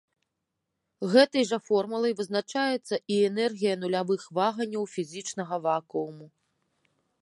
Гэтай жа формулай вызначаецца і энергія нулявых ваганняў фізічнага вакууму.